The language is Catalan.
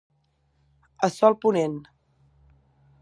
A sol ponent.